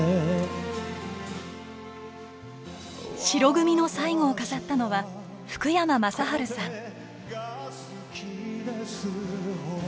白組の最後を飾ったのは福山雅治さん。